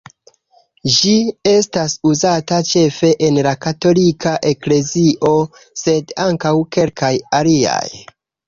Ĝi estas uzata ĉefe en la katolika eklezio, sed ankaŭ kelkaj aliaj.